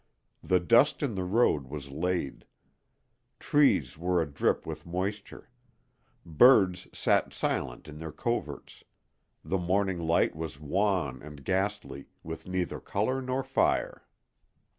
The dust in the road was laid; trees were adrip with moisture; birds sat silent in their coverts; the morning light was wan and ghastly, with neither color nor fire.